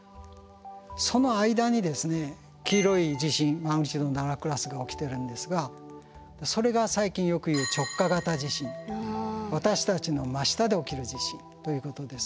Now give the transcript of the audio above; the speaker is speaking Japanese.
その間に黄色い地震マグニチュード７クラスが起きてるんですがそれが最近よく言う私たちの真下で起きる地震ということです。